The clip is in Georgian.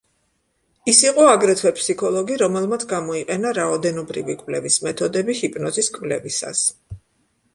ის იყო აგრეთვე ფსიქოლოგი, რომელმაც გამოიყენა რაოდენობრივი კვლევის მეთოდები ჰიპნოზის კვლევისას.